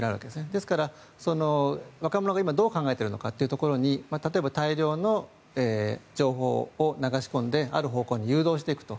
ですから若者が今どう考えているかというところに大量の情報を流し込んである方向に誘導していくと。